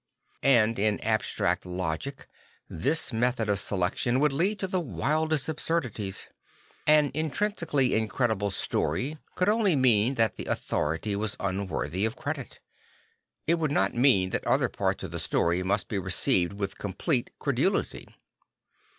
And in abstract logic this method of selection would lead to the wildest absurdities. An intrinsically incredible story could only mean that the authority was unworthy of credit. I t could not mean that other parts of his story must be received with complete credulity.